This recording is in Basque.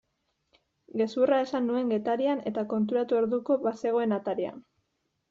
Gezurra esan nuen Getarian eta konturatu orduko bazegoen atarian.